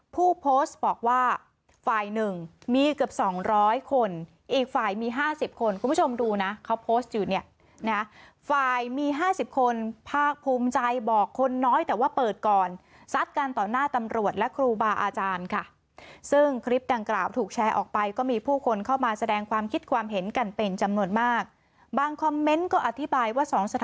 ผู้โพสต์บอกว่าฝ่ายหนึ่งมีเกือบ๒๐๐คนอีกฝ่ายมี๕๐คนคุณผู้ชมดูนะเขาโพสต์อยู่เนี่ยนะฝ่ายมี๕๐คนภาคภูมิใจบอกคนน้อยแต่ว่าเปิดก่อนซัดกันต่อหน้าตำรวจและครูบาอาจารย์ค่ะซึ่งคลิปดังกล่าวถูกแชร์ออกไปก็มีผู้คนเข้ามาแสดงความคิดความเห็นกันเป็นจำนวนมากบางคอมเมนต์ก็อธิบายว่าสถ